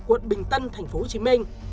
quận bình tân tp hcm